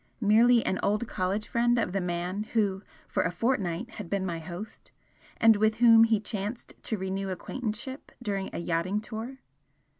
Merely an old college friend of the man who for a fortnight had been my host, and with whom he chanced to renew acquaintanceship during a yachting tour.